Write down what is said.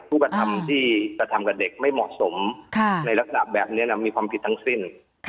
ผู้กระทำที่กระทำกับเด็กไม่เหมาะสมในลักษณะแบบนี้มีความผิดทั้งสิ้น